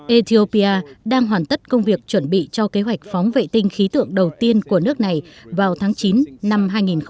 ethiopia đang hoàn tất công việc chuẩn bị cho kế hoạch phóng vệ tinh khí tượng đầu tiên của nước này vào tháng chín năm hai nghìn hai mươi